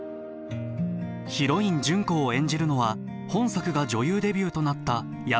ヒロイン純子を演じるのは本作が女優デビューとなった山口智子。